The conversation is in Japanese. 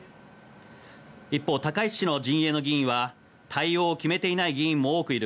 一方、高市氏の陣営の議員は対応を決めていない議員も多くいる。